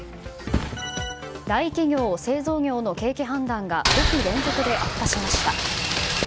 大企業・製造業の景気判断が５期連続で悪化しました。